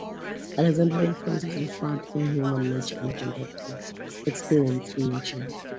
Alexander's influence is referenced in "Human Nature and Conduct" and "Experience and Nature.